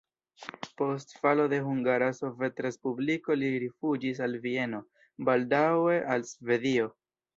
Post falo de Hungara Sovetrespubliko li rifuĝis al Vieno, baldaŭe al Svedio.